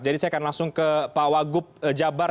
jadi saya akan langsung ke pak wagub jabar